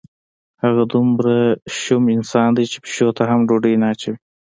هغه دومره شوم انسان دی چې پیشو ته هم ډوډۍ نه اچوي.